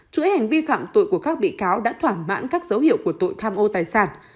chuỗi hành vi phạm tội của các bị cáo đã thỏa mãn các dấu hiệu của tội tham ô tài sản